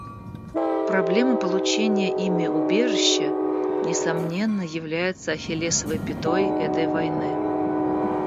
Проблема получения ими убежища, несомненно, является «ахиллесовой пятой» этой войны.